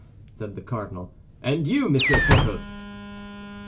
said the cardinal; "and you, Monsieur Porthos?"